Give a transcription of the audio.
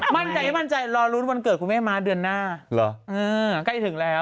ไม่มั่นใจรอรุ้นวันเกิดคุณแม่มาเดือนหน้าใกล้ถึงแล้ว